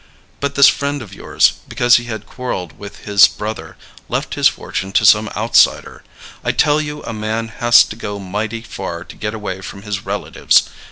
But this friend of yours, because he had quarreled with his brother, left his fortune to some outsider. I tell you a man has to go mighty far to get away from his relatives!